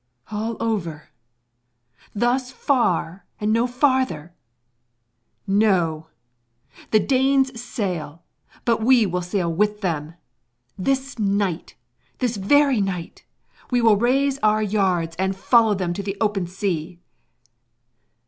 All over? Thus far and no farther? No! The Danes sail, but we will sail with them! This night, this very night we will raise our yards and follow them to the open sea.